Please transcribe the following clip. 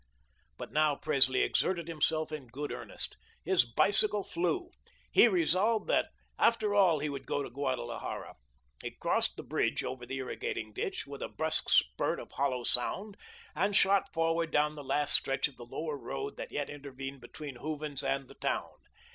But now Presley exerted himself in good earnest. His bicycle flew. He resolved that after all he would go to Guadalajara. He crossed the bridge over the irrigating ditch with a brusque spurt of hollow sound, and shot forward down the last stretch of the Lower Road that yet intervened between Hooven's and the town.